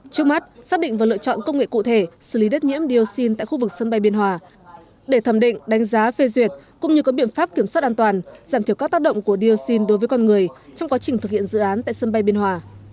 trước mắt xác định và lựa chọn công nghệ cụ thể xử lý đất nhiễm dioxin tại khu vực sân bay biên hòa để thẩm định đánh giá phê duyệt cũng như có biện pháp kiểm soát an toàn giảm thiểu các tác động của dioxin đối với con người trong quá trình thực hiện dự án tại sân bay biên hòa